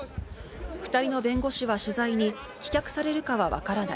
２人の弁護士は取材に棄却されるかはわからない。